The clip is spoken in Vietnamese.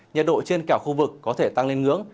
nhiệt độ trên cả khu vực có thể tăng lên ngưỡng